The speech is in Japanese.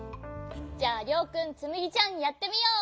じゃありょうくんつむぎちゃんやってみよう！